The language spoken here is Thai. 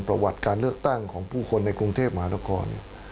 ประวัติการเลือกตั้งของผู้คนในกรุงเทพมหานคร